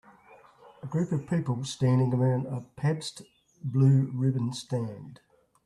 A group of people standing around a pabst blue ribbon stand.